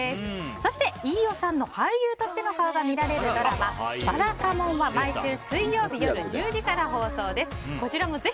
そして、飯尾さんの俳優としての顔が見られるドラマ「ばらかもん」は毎週水曜夜１０時から放送です。